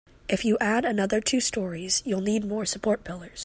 If you add another two storeys, you'll need more support pillars.